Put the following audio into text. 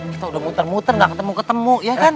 kita udah muter muter nggak ketemu ketemu ya kan